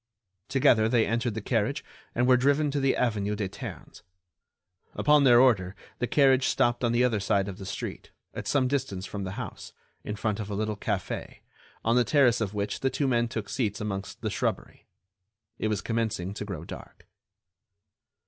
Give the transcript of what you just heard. Together they entered the carriage and were driven to the avenue des Ternes. Upon their order the carriage stopped on the other side of the street, at some distance from the house, in front of a little café, on the terrace of which the two men took seats amongst the shrubbery. It was commencing to grow dark.